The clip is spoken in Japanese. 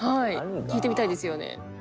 聞いてみたいですよね。